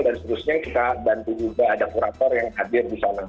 dan seterusnya kita bantu juga ada kurator yang hadir di sana